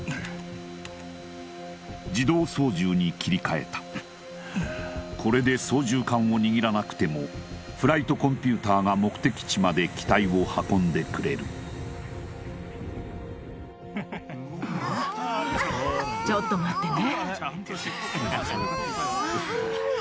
自動操縦に切り替えたこれで操縦桿を握らなくてもフライトコンピューターが目的地まで機体を運んでくれるちょっと待ってね